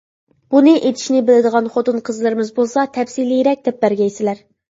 بۇنى ئېتىشنى بىلىدىغان خوتۇن قىزلىرىمىز بولسا تەپسىلىيرەك دەپ بەرگەيسىلەر.